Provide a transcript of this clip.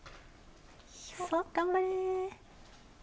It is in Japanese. そう頑張れ。